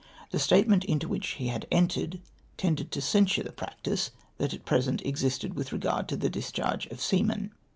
Tlie statement into whicli he had entered tended to censure the practice that at pri'sent existed with respect to the discharge of seamen.